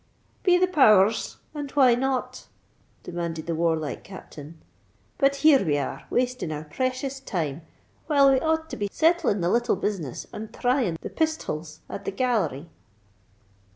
"Be the power rs! and why not?" demanded the warlike Captain. "But here we are, wasting our precious time, while we ought to be settling the little business and thrying the pisthols at the Gallery."